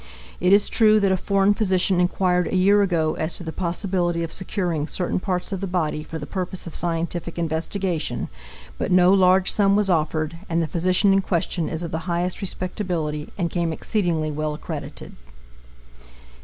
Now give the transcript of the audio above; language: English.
It is true that a foreign physician inquired a year ago as to the possibility of securing certain parts of the body for the purpose of scientific investigation, but no large sum was offered, and the physician in question is of the highest respectability and came exceedingly well accredited."